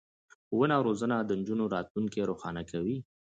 ښوونه او روزنه د نجونو راتلونکی روښانه کوي.